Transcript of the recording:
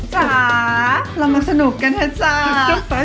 จ๋าเรามาสนุกกันเถอะจ้า